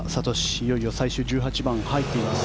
いよいよ最終１８番に入っています。